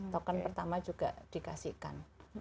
token pertama juga dikasihkan